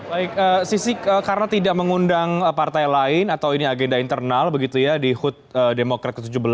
baik sisi karena tidak mengundang partai lain atau ini agenda internal begitu ya di hud demokrat ke tujuh belas